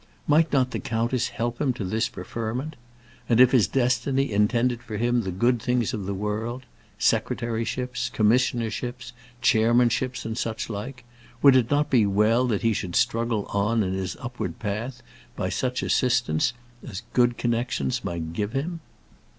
Might not the countess help him to this preferment? And if his destiny intended for him the good things of this world, secretaryships, commissionerships, chairmanships, and such like, would it not be well that he should struggle on in his upward path by such assistance as good connections might give him?